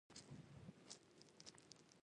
باقي دوه رکعته یې د مسجدالحرام لوري ته وکړل.